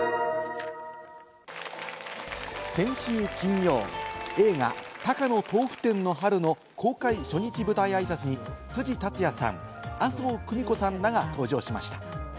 先週金曜、映画『高野豆腐店の春』の公開初日舞台あいさつに藤竜也さん、麻生久美子さんらが登場しました。